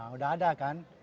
udah ada kan